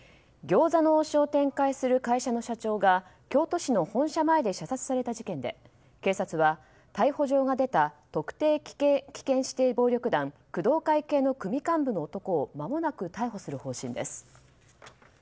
餃子の王将を展開する会社の社長が京都市の本社前で射殺された事件で警察は、逮捕状が出た特定危険指定暴力団工藤会系の組幹部の男をまもなく逮捕する方針です。